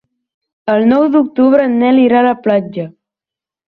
El nou d'octubre en Nel irà a la platja.